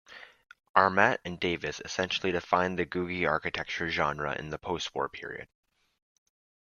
Armet and Davis essentially defined the Googie architecture genre in the post-war period.